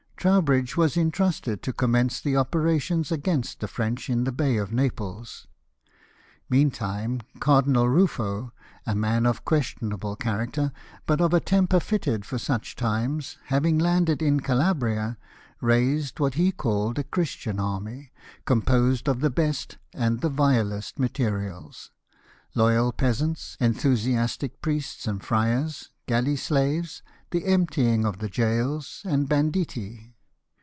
Trowbridge Avas entrusted to commence the operations against the French in the Bay of Naples. Meantime Cardinal Ruffo, a man of question able character, but of a temper fitted for such times, having landed in Calabria, raised what he called a Christian army, composed of the best and the vilest materials ; loyal peasants, enthusiastic priests and friars, galley slaves, the emptying of the gaols, and banditti.